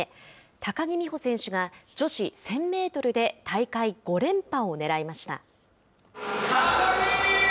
高木美帆選手が女子１０００メートルで大会５連覇をねらいました。